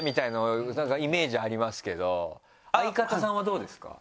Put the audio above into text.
相方さんはどうですか？